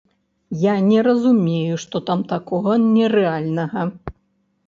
Я не разумею, што там такога нерэальнага!